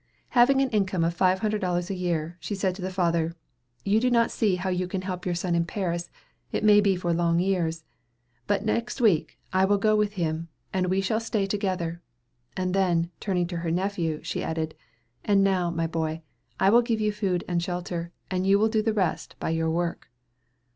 Having an income of five hundred dollars a year, she said to the father, "You do not see how you can help your son in Paris, it may be for long years; but next week I will go with him, and we shall stay together;" and then, turning to her nephew, she added, "And now, my boy, I will give you food and shelter, and you will do the rest by your work."